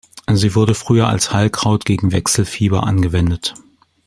Sie wurde früher als Heilkraut gegen Wechselfieber angewendet.